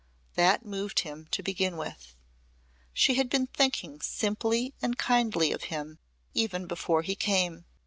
That moved him to begin with. She had been thinking simply and kindly of him even before he came.